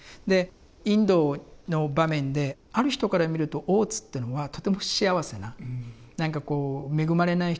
インドの場面である人から見ると大津っていうのはとても不幸せな何かこう恵まれない人に見えるかもしれないんですけど